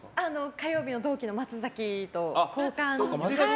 火曜日の同期の松崎と交換に。